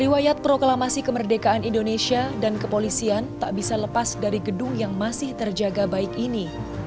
riwayat proklamasi kemerdekaan indonesia dan kepolisian tak bisa lepas dari gedung yang masih terjaga baik ini